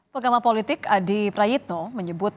pengamat politik adi prayitno menyebut